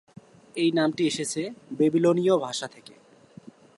এই নামটি এসেছে ব্যাবিলনীয় ভাষা থেকে।